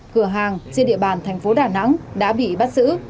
cửa hàng trên địa bàn thành phố đà nẵng đã bị bắt giữ